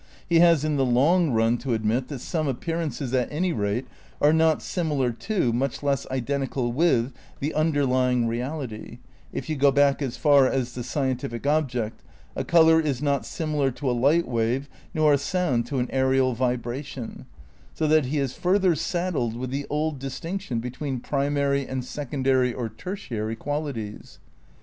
He has in the long run to admit that some appearances at any rate are not similar to, much less identical with, the underlying reality (if you go back as far as "the scientific object," a colour is not similar to a light wave nor a sound to an aerial vibration), so that he is further saddled with the old distinction between primary and secondary or tertiary qualities.